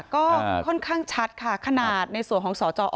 ก็ค่อนข้างชัดค่ะขนาดในส่วนของสจอ